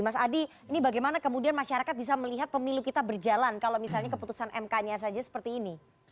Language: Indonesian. mas adi ini bagaimana kemudian masyarakat bisa melihat pemilu kita berjalan kalau misalnya keputusan mk nya saja seperti ini